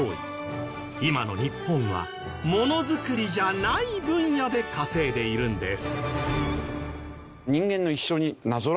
今の日本はモノづくりじゃない分野で稼いでいるんです